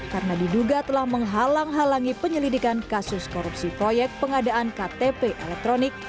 karena diduga telah menghalang halangi penyelidikan kasus korupsi proyek pengadaan ktp elektronik